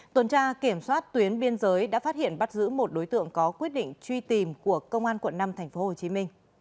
tuần tra kiểm soát tuyến biên giới đã phát hiện bắt giữ một đối tượng có quyết định truy tìm của công an quận năm tp hcm